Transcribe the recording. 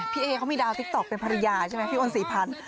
พี่เอเขามีดาวติ๊กต๊อกเป็นภรรยาใช่ไหมพี่โอน๔๐๐